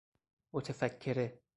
متفکره